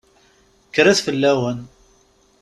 Kkret fell-awen!